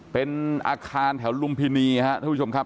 เป็นอาคารแถวลุมพินีครับท่านผู้ชมครับ